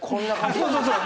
そうそうそう！